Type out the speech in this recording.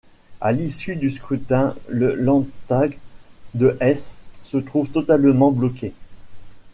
À l'issue du scrutin, le Landtag de Hesse se trouve totalement bloqué.